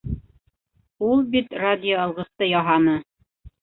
Ул бит радиоалғысты яһаны.